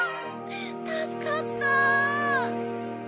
助かったあ！